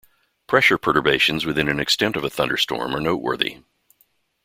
Pressure perturbations within an extent of a thunderstorm are noteworthy.